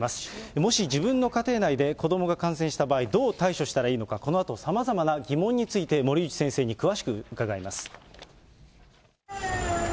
もし自分の家庭内で子どもが感染した場合、どう対処したらいいのか、このあと、さまざまな疑問について、森内先生に詳しく伺います。